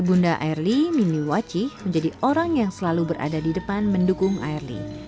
bunda airly mimi waci menjadi orang yang selalu berada di depan mendukung airly